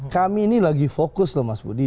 kami ini lagi fokus loh mas budi